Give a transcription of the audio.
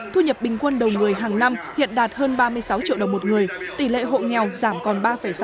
thu nhập bình quân đầu người hàng năm hiện đạt hơn ba mươi sáu triệu đồng một người tỷ lệ hộ nghèo giảm còn ba sáu